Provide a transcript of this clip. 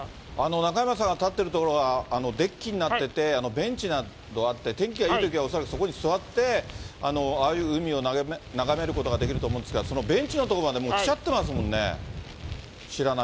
中山さんが立っている所はデッキになってて、ベンチなどあって、天気がいいときは恐らくそこに座ってああいう海を眺めることができると思うんですが、そのベンチの所までもう来ちゃってますもん